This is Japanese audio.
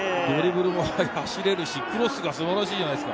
走れるし、クロスが素晴らしいじゃないですか。